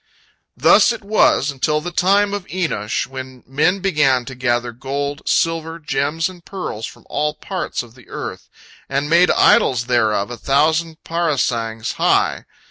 Thus it was until the time of Enosh, when men began to gather gold, silver, gems, and pearls from all parts of the earth, and made idols thereof a thousand parasangs high.